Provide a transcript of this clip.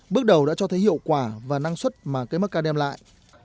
bước đầu đã cho thấy hiệu quả và năng suất mà cây mắc ca đem lại